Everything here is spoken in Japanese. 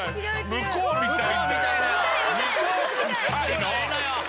向こう見たいの！